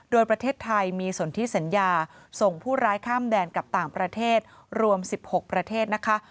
โดยประเทศไทยมีส่วนที่สัญญาส่งผู้ร้ายข้ามแดนกับต่างประเทศรวม๑๖ประเทศนะคะ